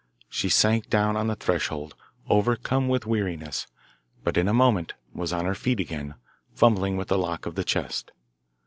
She sank down on the threshold, overcome with weariness, but in a moment was on her feet again, fumbling with the lock of the chest.